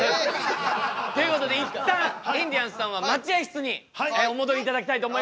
ということで一旦インディアンスさんは待合室にお戻りいただきたいと思います。